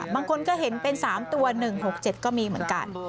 บางคนก็เห็นเป็น๓ตัว๑๖๗ก็มีเหมือนกัน